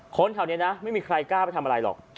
คนแถวนี้นะไม่มีใครกล้าไปทำอะไรหรอก